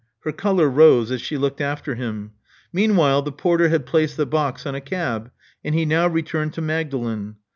Her color rose as she looked after him. Meanwhile the porter had placed the box on a cab; and he now returned to Magdalen.